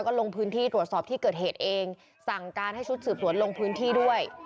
ก็ลงพื้นที่ตรวจสอบที่เกิดเหตุเองสั่งการให้ชุดสืบสวนลงพื้นที่ด้วย